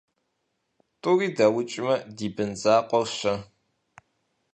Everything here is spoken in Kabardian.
- ТӀури даукӀмэ, ди бын закъуэр - щэ?